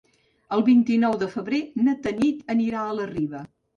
El vint-i-nou de febrer na Tanit anirà a la Riba.